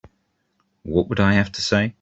What would I have to say?